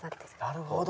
なるほど。